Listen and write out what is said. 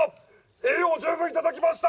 栄養十分いただきました。